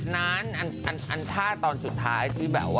ไม่และอยู่ยักษ์